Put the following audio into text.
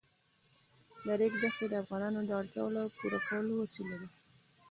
د ریګ دښتې د افغانانو د اړتیاوو د پوره کولو وسیله ده.